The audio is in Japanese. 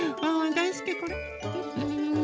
だいすきこれ！